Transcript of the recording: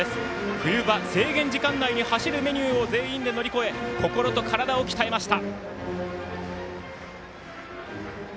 冬場制限時間内に走るメニューを全員で行い心と体を鍛えました。